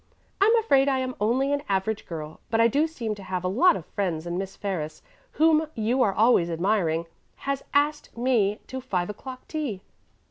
I'm afraid I am only an average girl, but I do seem to have a lot of friends and Miss Ferris, whom you are always admiring, has asked me to five o'clock tea.